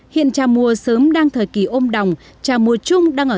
hiện trà mùa sớm đang thời kỳ ôm đồng trà mùa chung đang ở